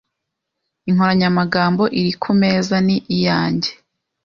Inkoranyamagambo iri kumeza ni iyanjye .